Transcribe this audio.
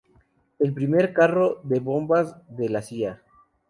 El primer carro de Bombas de la Cia.